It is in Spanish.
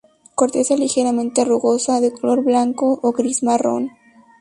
Corteza ligeramente rugosa, de color blanco o gris-marrón.